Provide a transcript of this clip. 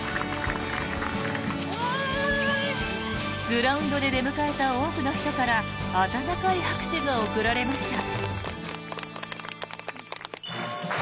グラウンドで出迎えた多くの人から温かい拍手が送られました。